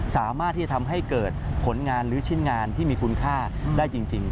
สามารถที่จะทำให้เกิดผลงานหรือชิ้นงานที่มีคุณค่าได้จริง